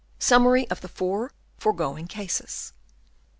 Summary of the four foregoing Cases.